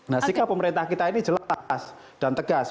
nah sikap pemerintah kita ini jelas dan tegas